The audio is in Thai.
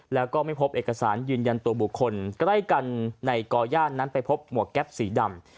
แล้วก็ไม่พบเอกสารยืนยันตัวบุคคลใกล้กันในก่อย่านนั้นไปพบหมวกแก๊ปสีดำ